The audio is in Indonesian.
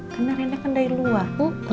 karena rena pendah luar